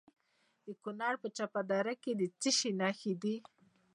د کونړ په چپه دره کې د څه شي نښې دي؟